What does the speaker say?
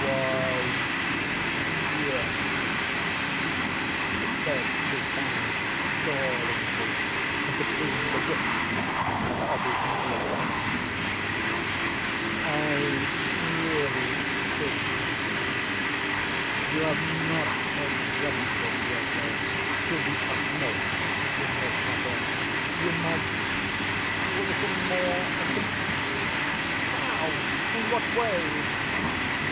"Why, yes," said Dupin, drawlingly, between the whiffs of his meerschaum, "I really—think, G——, you have not exerted yourself—to the utmost in this matter. You might—do a little more, I think, eh?" "How?—in what way?"